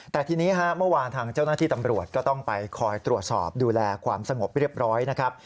แต่ทีนี้ฮะเมื่อวานทางเจ้าหน้าที่ตำรวจก็ต้องไปคอยตรวจสอบดูแลความสงบเรียบร้อยนะครับ